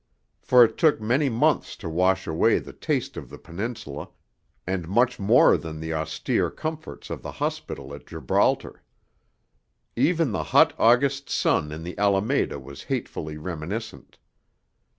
For it took many months to wash away the taste of the Peninsula, and much more than the austere comforts of the hospital at Gibraltar. Even the hot August sun in the Alameda was hatefully reminiscent.